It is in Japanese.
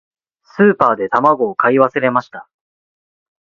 スーパーで卵を買い忘れました。